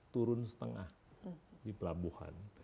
turun setengah di pelabuhan